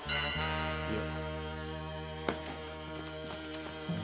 いや。